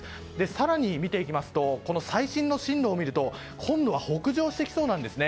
更に見ていきますと最新の進路では今度は北上していきそうなんです。